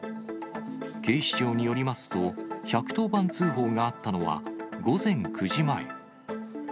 警視庁によりますと、１１０番通報があったのは、午前９時前。